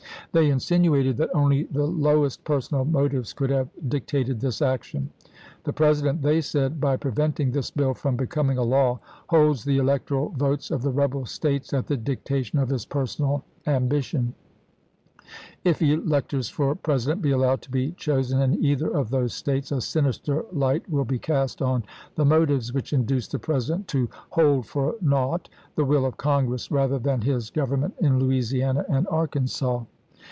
They insinuated that only the lowest personal motives could have dic tated this action :" The President," they said, " by preventing this bill from becoming a law, holds the electoral votes of the rebel States at the dictation of his personal ambition. .. If electors for Presi dent be allowed to be chosen in either of those States, a sinister light will be cast on the motives which induced the President to 'hold for naught' the will of Congress rather than his government in Louisiana and Arkansas."